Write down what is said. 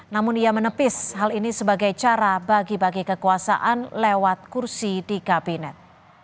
namun ia menepis hal ini sebagai cara bagi bagi kekuasaan lewat kursi di kabinet